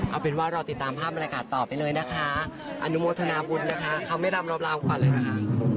เอาเป็นว่ารอติดตามภาพบรรยากาศต่อไปเลยนะคะอนุโมทนาบุญนะคะเขาไม่รำรอบราวก่อนเลยนะคะ